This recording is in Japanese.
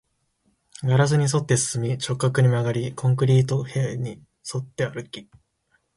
ガラスに沿って進み、直角に曲がり、コンクリート壁に沿って歩き